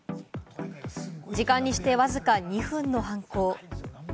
時間にして、わずか２分の犯行。